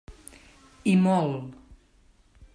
I molt.